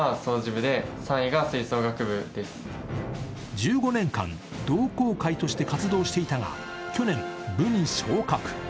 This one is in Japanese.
１５年間同好会として活動していたが去年、部に昇格。